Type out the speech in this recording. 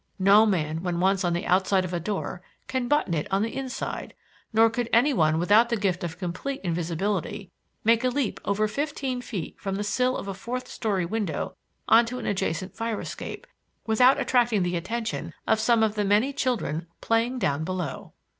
No man when once on the outside of a door can button it on the inside, nor could any one without the gift of complete invisibility, make a leap of over fifteen feet from the sill of a fourth story window on to an adjacent fire escape, without attracting the attention of some of the many children playing down below."